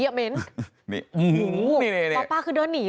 น่า่มันกินได้ใช่ไหม